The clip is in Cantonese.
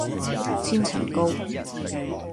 千層糕